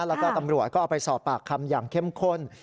แล้วก็ตำรวจก็เอาไปสอบปากคำอย่างเข้มข้น